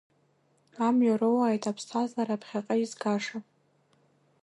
Амҩа роуааит аԥсҭазаара ԥхьаҟа изгаша!